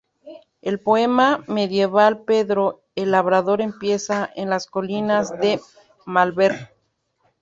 El poema medieval Pedro el Labrador empieza en las colinas de Malvern.